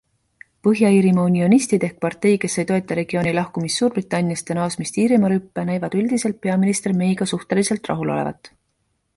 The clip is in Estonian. Põhja-Iirimaa unionistid ehk partei, kes ei toeta regiooni lahkumist Suurbritanniast ja naasmist Iirimaa rüppe, näivad üldiselt peaminister Mayga suhteliselt rahul olevat.